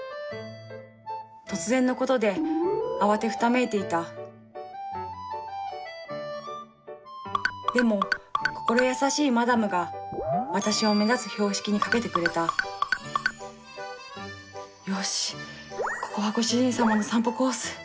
突然のことで慌てふためいていたでも心優しいマダムが私を目立つ標識に掛けてくれたよしここはご主人様の散歩コース。